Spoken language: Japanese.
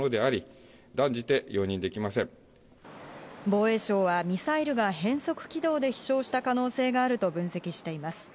防衛省はミサイルが変則軌道で飛翔した可能性があると分析しています。